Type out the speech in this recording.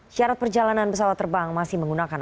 syarat perjalanan pesawat terbang masih menggunakan